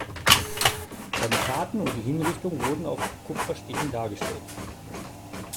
Seine Taten und die Hinrichtung wurden auf Kupferstichen dargestellt.